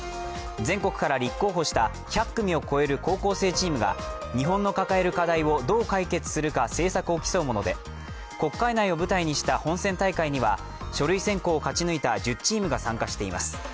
全国から立候補した１００組を超える高校生チームが日本の抱える課題をどう解決するか政策を競うもので国会内を舞台にした本選大会には書類選考を勝ち抜いた１０チームが参加しています。